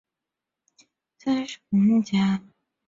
他们被指控代表主席干涉了对林肯机构的监管调查。